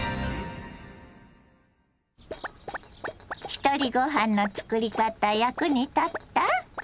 ひとりごはんのつくり方役に立った？